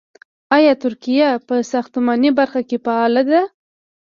آیا ترکیه په ساختماني برخه کې فعاله ده؟